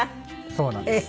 そうなんです。